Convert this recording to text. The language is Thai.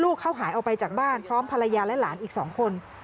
ลูกเขาหายออกไปจากบ้านพร้อมภรรยาและหลานอีก๒คน